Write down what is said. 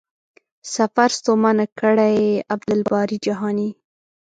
سفر ستومانه کړی.عبدالباري جهاني